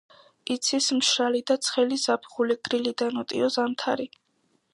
იცის მშრალი და ცხელი ზაფხული, გრილი და ნოტიო ზამთარი.